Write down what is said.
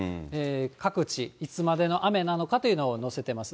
各地、いつまでの雨なのかということを載せてます。